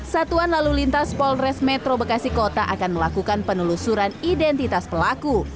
satuan lalu lintas polres metro bekasi kota akan melakukan penelusuran identitas pelaku